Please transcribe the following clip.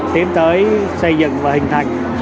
tiến tới xây dựng và hình thành